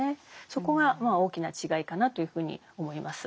そこがまあ大きな違いかなというふうに思います。